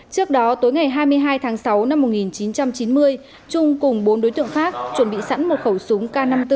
trước đó tối ngày hai mươi hai tháng sáu năm một nghìn chín trăm chín mươi trung cùng bốn đối tượng khác chuẩn bị sẵn một khẩu súng k năm mươi bốn